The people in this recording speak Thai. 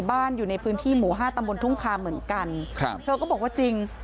อยู่ในพื้นที่หมู่ห้าตำบลทุ่งคาเหมือนกันครับเธอก็บอกว่าจริง